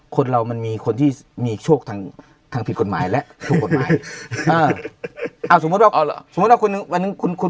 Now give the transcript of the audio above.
คนเรามันมีคนที่มีโชคทางผิดกฎหมายและสมมุติว่าคุณคุณคุณ